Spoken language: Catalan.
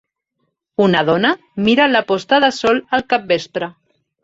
Una dona mira la posta de sol al capvespre.